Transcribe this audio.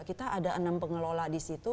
kita ada enam pengelola di situ